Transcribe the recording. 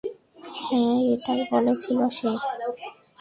হ্যাঁ, এটাই বলেছিল সে।